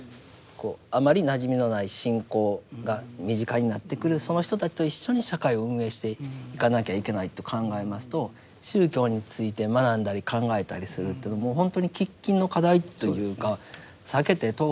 あまりなじみのない信仰が身近になってくるその人たちと一緒に社会を運営していかなきゃいけないと考えますと宗教について学んだり考えたりするというのはもうほんとに喫緊の課題というか避けて通れない問題ですよね。